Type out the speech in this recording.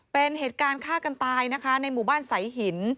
เป็นเหตุการณ์ฆ่ากันตายนะคะในหมู่บ้านสายหิน